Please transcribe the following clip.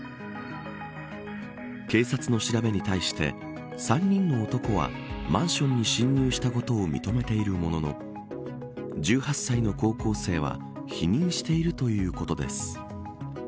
警察の調べに対して、３人の男はマンションに侵入したことを認めているものの１８歳の高校生は否認しているということです。